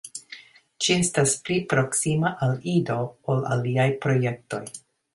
Ĝi estas pli proksima al Ido ol aliaj projektoj.